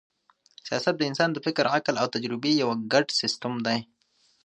سیاست د انسان د فکر، عقل او تجربې یو ګډ سیسټم دئ.